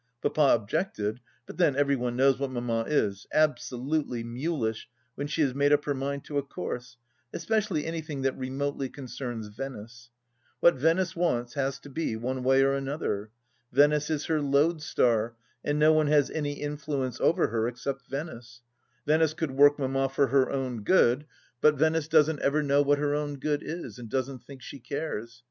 Papa objected ; but then, every one knows what Mamma is : absolutely mulish when she has made up her mind to a course, especially, anything that remotely concerns Venice. What Venice wants has to be, one way or another. Venice is her lodestar, and no one has any influence over her except Venice, Venice could work Mamma for her own good, but 6 THE LAST DITCH Venice doesn't ever know what her own good is, and doesn't think she cares.